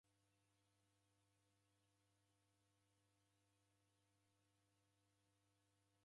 W'ele iyo kampuni yaw'iaendesha shughuli raw'o w'ada?